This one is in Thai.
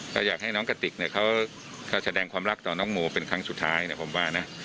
ก็อยากให้น้องกระติกเนี่ยเขาก็แสดงความรักต่อน้องโมเป็นครั้งสุดท้ายเนี่ยผมว่านะ